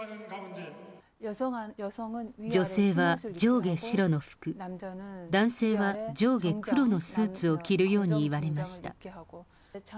女性は上下白の服、男性は上下黒のスーツを着るように言われました。